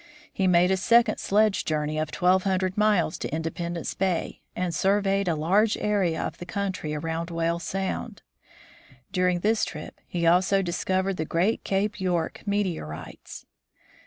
He made a second sledge journey of twelve hundred miles to Independence bay, and surveyed a large area of the country around Whale sound. During this trip, he also discovered the great Cape York meteorites.